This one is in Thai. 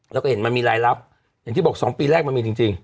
แล้วก็เห็นมันมีรายรับอย่างที่บอก๒ปีแรกมันมีจริง